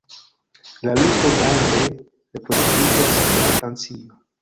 La lupo daŭre reproduktiĝas tra Francio.